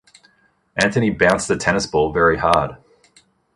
Anthony bounced the tennis ball very hard.